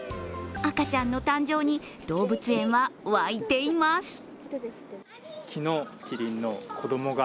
赤ちゃんの誕生に動物園は沸いています。